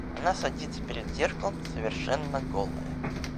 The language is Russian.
Она садится перед зеркалом совершенно голая...